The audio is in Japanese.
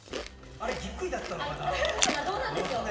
あれはぎっくりだったのかな？